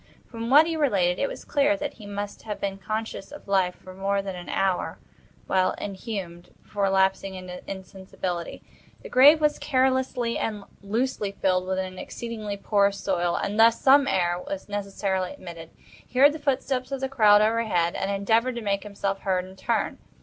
From what he related, it was clear that he must have been conscious of life for more than an hour, while inhumed, before lapsing into insensibility. The grave was carelessly and loosely filled with an exceedingly porous soil; and thus some air was necessarily admitted. He heard the footsteps of the crowd overhead, and endeavored to make himself heard in turn.